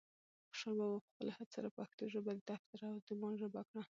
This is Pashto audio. خوشحال بابا په خپلو هڅو سره پښتو ژبه د دفتر او دیوان ژبه کړه.